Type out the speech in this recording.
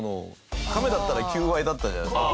カメだったら求愛だったじゃないですか。